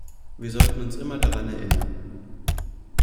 Wir sollten uns immer daran erinnern.